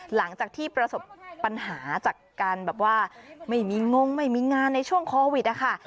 หลังจากที่ประสบปัญหาจากการแบบว่าไม่มีงงไม่มีงานในช่วงโควิดนะคะ